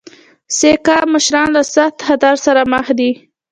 سیکه مشران له سخت خطر سره مخامخ دي.